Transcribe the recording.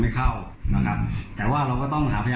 มีคุณรับใช่ไหมอาจารย์